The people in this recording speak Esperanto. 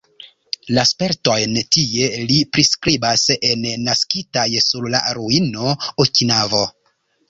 La spertojn tie li priskribas en "Naskitaj sur la ruino: Okinavo".